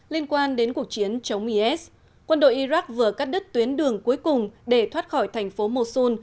liên quan đến cuộc chiến chống is quân đội iraq vừa cắt đứt tuyến đường cuối cùng để thoát khỏi thành phố mosul